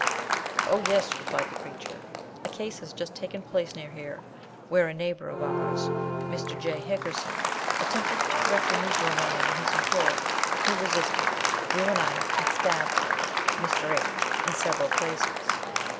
"Oh, yes," replied the preacher. "A case has just taken place near here, where a neighbour of ours, Mr. J. Higgerson, attempted to correct a Negro man in his employ, who resisted, drew a knife, and stabbed him (Mr. H.) in several places.